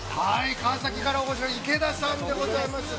◆川崎からお越しのいけださんでございます。